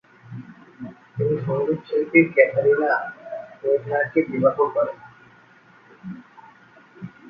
তিনি সংগীতশিল্পী কাথারিনা ওয়েডনারকে বিবাহ করেন।